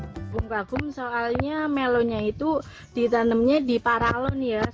bagum bagum soalnya melonnya itu ditanamnya di paralon ya